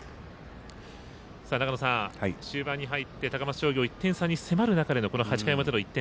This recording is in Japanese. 終盤に入って高松商業１点差に迫る中でのこの８回表の１点。